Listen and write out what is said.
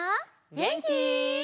げんき？